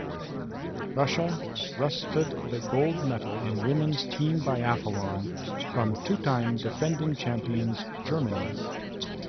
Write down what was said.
Russia wrested the gold medal in women's team biathlon from two-time defending champions Germany.